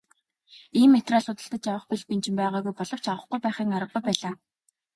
Ийм материал худалдаж авах бэл бэнчин байгаагүй боловч авахгүй байхын аргагүй байлаа.